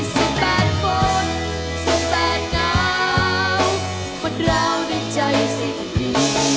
สิบแปดฝนสิบแปดน้ำมันแล้วในใจสิ่งดี